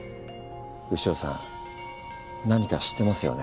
牛尾さん何か知ってますよね？